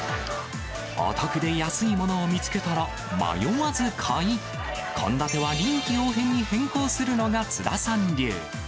お得で安いものを見つけたら迷わず買い、献立は臨機応変に変更するのが津田さん流。